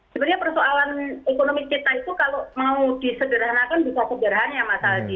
sebenarnya persoalan ekonomi kita itu kalau mau disederhanakan bisa sederhana mas aldi